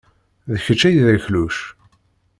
D kečč ay d akluc.